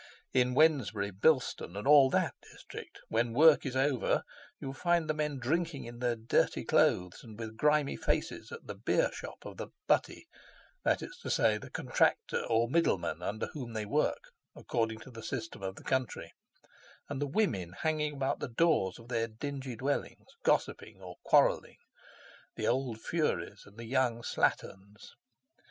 In Wednesbury, Bilston, and all that district, when work is over you find the men drinking in their dirty clothes and with grimy faces at the beer shop of the "Buttey," that is to say, the contractor or middleman under whom they work, according to the system of the country, and the women hanging about the doors of their dingy dwellings, gossiping or quarreling, the old furies and the young slatterns.